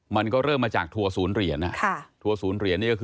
มันเริ่มมาจากทัวร์ศูนย์เหรียญ